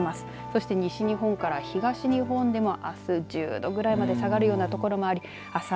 そして西日本から東日本でもあす１０度くらいまで下がるような所がありあす